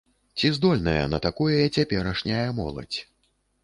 Ці здольная на такое цяперашняя моладзь?